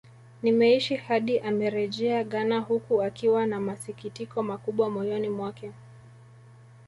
Nimeishi hadi amerejea Ghana huku akiwa na masikitiko makubwa moyono mwake